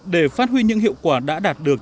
để phát huy những hiệu quả đã đạt được